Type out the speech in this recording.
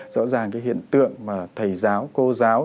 rõ ràng cái hiện tượng mà thầy giáo cô giáo